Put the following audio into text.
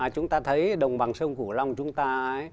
chúng ta thấy đồng bằng sông củ long chúng ta